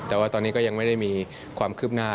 แต่ว่าตอนนี้ก็ยังไม่ได้มีความคืบหน้า